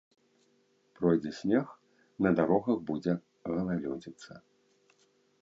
Пройдзе снег, на дарогах будзе галалёдзіца.